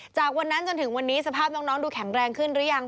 จากวันนั้นจนถึงวันนี้สภาพน้องดูแข็งแรงขึ้นหรือยัง